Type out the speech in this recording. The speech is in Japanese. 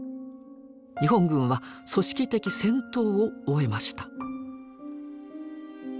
日本軍は組織的戦闘を終えました。